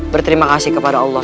berterima kasih kepada allah